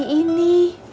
mau ngasih ini